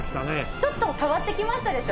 ちょっと変わってきましたでしょ？